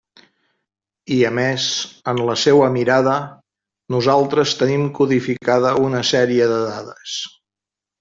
I a més, en la seua mirada, nosaltres tenim codificada una sèrie de dades.